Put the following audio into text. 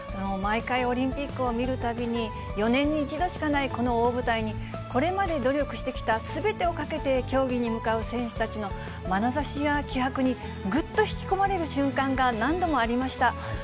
毎回、オリンピックを見るたびに、４年に一度しかないこの大舞台に、これまで努力してきたすべてをかけて競技に向かう選手たちのまなざしや気迫にぐっと引き込まれる瞬間が何度もありました。